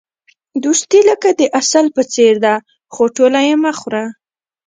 دوستي لکه د عسل په څېر ده، خو ټوله یې مه خوره.